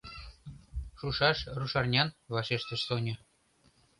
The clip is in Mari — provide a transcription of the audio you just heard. «Шушаш рушарнян», – вашештыш Соня.